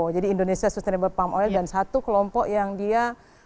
jadi indonesia sustainable palm oil dan satu kelompok yang dia